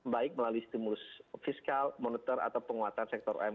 baik melalui stimulus fiskal monitor atau penguatan sektor umkm dan riel